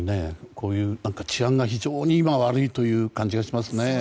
こういう治安が非常に今悪いという感じがしますね。